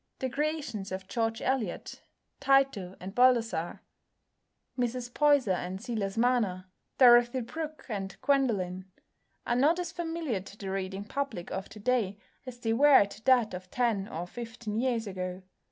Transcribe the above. The creations of George Eliot, Tito and Baldassare, Mrs Poyser and Silas Marner, Dorothy Brooke and Gwendolen, are not as familiar to the reading public of to day as they were to that of ten or fifteen years ago.